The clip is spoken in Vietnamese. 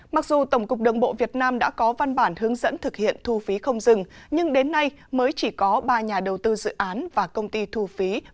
mặc dù tổng cục đường bộ việt nam đã có văn bản hướng dẫn thực hiện thu phí không dừng nhưng đến nay mới chỉ có ba nhà đầu tư dự án và công ty thu phí